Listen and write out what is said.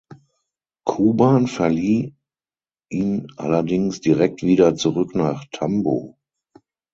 Kuban verlieh ihn allerdings direkt wieder zurück nach Tambow.